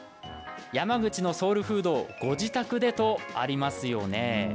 「山口のソウルフードをご自宅で」とありますよね。